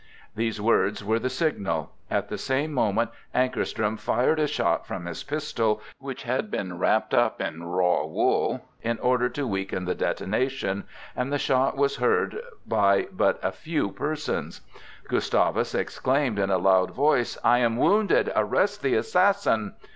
These words were the signal. At the same moment Ankarström fired a shot from his pistol, which had been wrapped up in raw wool in order to weaken the detonation, and the shot was heard by but a few persons. Gustavus exclaimed in a loud voice: "I am wounded! Arrest the assassin!"